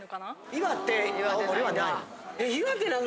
岩手青森はない。